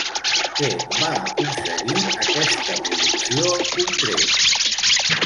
Què va aconseguir aquesta producció en concret?